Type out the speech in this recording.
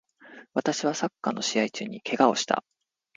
私はサッカーの試合中に怪我をした